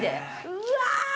うわ！